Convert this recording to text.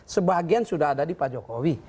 sebagian sudah ada di pak jokowi